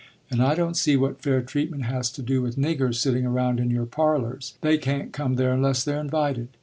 And I don't see what fair treatment has to do with niggers sitting around in your parlors; they can't come there unless they're invited.